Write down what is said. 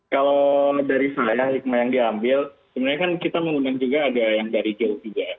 kalau dari saya hikmah yang diambil sebenarnya kan kita mengundang juga ada yang dari jauh juga